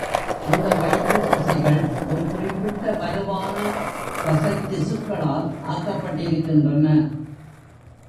அந்த வயிற்றுத் தசைகள் ஒரு குறிப்பிட்ட வலுவான தசைத்திசுக்களால் ஆக்கப்பட்டிருக்கின்றன.